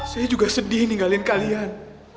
saya juga sedih ninggalin kalian